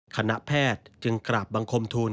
คณะแพทย์จึงกราบบังคมทูล